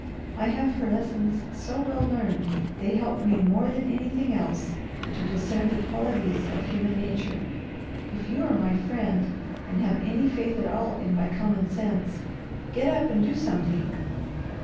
I have her lessons so well learned they help me more than anything else to discern the qualities of human nature. If you are my friend, and have any faith at all in my common sense, get up and do something!"